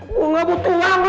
gue gak butuh uang lo